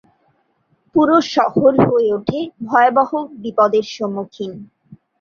পুরো শহর হয়ে ওঠে ভয়াবহ বিপদের সম্মুখীন।